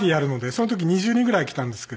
その時２０人ぐらい来たんですけど。